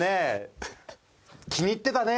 気に入ってたね